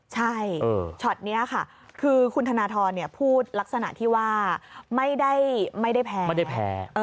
ใช่ช็อตนี้ค่ะคือคุณธนทรพูดลักษณะที่ว่าไม่ได้แพ้ไม่ได้แพ้